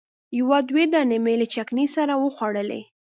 یو دوه دانې مې له چکني سره وخوړلې.